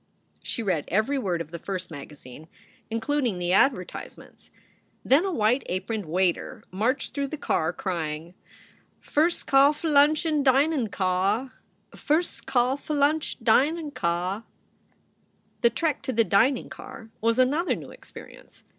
She read every word of the first magazine, including the advertisements. Then a white aproned waiter marched through the car, crying: "Fir scall flunch in dinin caw. Firs scall flunch dine caw." The trek to the dining car was another new experience.